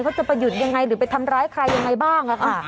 เขาจะไปหยุดยังไงหรือไปทำร้ายใครยังไงบ้างค่ะ